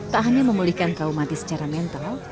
tak hanya memulihkan kaum mati secara mental